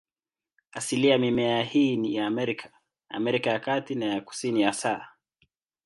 Asilia ya mimea hii ni Amerika, Amerika ya Kati na ya Kusini hasa.